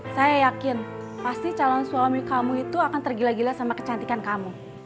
saya yakin pasti calon suami kamu itu akan tergila gila sama kecantikan kamu